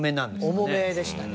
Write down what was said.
重めでしたね。